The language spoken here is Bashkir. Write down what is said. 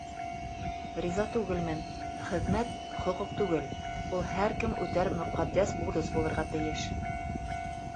Риза түгелмен, хеҙмәт хоҡуҡ түгел, ул һәр кем үтәр мөҡәддәс бурыс булырға тейеш.